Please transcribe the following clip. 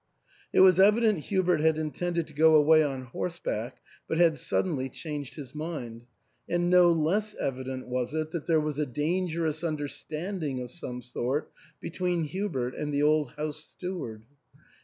It was evident Hubert had intend ed to go away on horseback, but had suddenly changed his mind ; and no less evident was it that there was a dangerous understanding of some sort between Hubert and the old house steward.